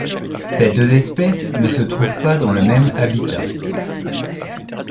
Ces deux espèces ne se trouvent pas dans le même habitat.